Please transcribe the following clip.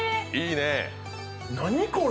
何これ？